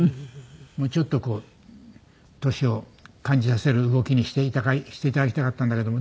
もうちょっとこう年を感じさせる動きにしていただきたかったんだけども。